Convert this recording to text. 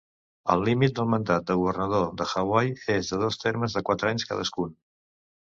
El límit del mandat de Governador de Hawaii és de dos termes de quatre anys cadascun.